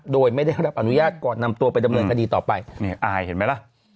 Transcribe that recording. โดยไม่ได้รับอนุญาตก่อนนำตัวไปดำเนินคดีต่อไปนี่อายเห็นไหมล่ะ